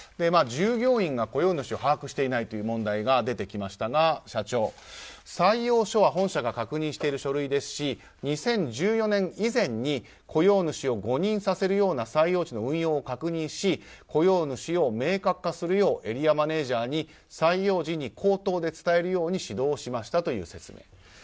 従業員が雇用主を把握していないという問題が出てきましたが、社長は採用書は本社が確認している書類ですし２０１４年以前に雇用主を誤認させるような採用時の運用を確認し雇用主を明確化するようエリアマネジャーに採用時に口頭で伝えるように指導をしましたという説明。